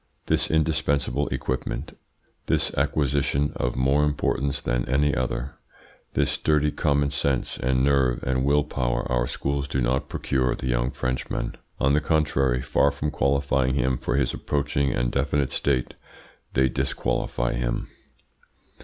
This indispensable equipment, this acquisition of more importance than any other, this sturdy common sense and nerve and will power our schools do not procure the young Frenchman; on the contrary, far from qualifying him for his approaching and definite state, they disqualify him.